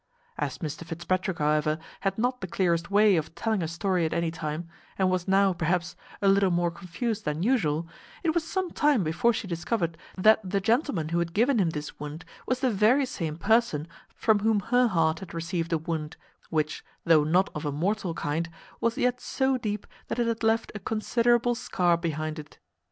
As Mr Fitzpatrick, however, had not the clearest way of telling a story at any time, and was now, perhaps, a little more confused than usual, it was some time before she discovered that the gentleman who had given him this wound was the very same person from whom her heart had received a wound, which, though not of a mortal kind, was yet so deep that it had left a considerable scar behind it.